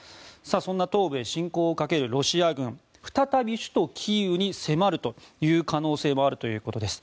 そんな東部へ侵攻をかけるロシア軍、再び首都キーウに迫るという可能性もあるということです。